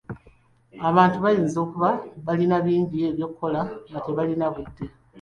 Abantu bayinza okuba balina bingi ebyokukola nga tebalina budde.